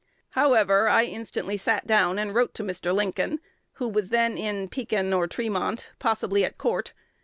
"However, I instantly sat down and wrote to Mr. Lincoln, who was then in Pekin or Tremont, possibly at court.